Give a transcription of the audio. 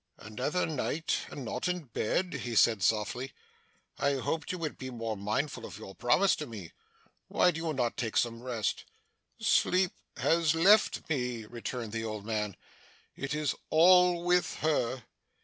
'Another night, and not in bed!' he said softly; 'I hoped you would be more mindful of your promise to me. Why do you not take some rest?' 'Sleep has left me,' returned the old man. 'It is all with her!